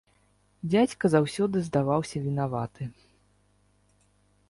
Дзядзька заўсёды здаваўся вінаваты.